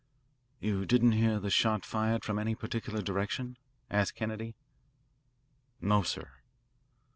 "You didn't hear the shot fired from any particular direction?" asked Kennedy. "No, sir."